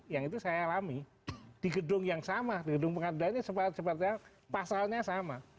yang itu saya alami di gedung yang sama di gedung pengadilannya seperti pasalnya sama